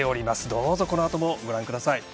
どうぞ、このあともご覧ください。